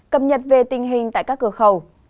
cập nhật về tình hình tại các cửa khẩu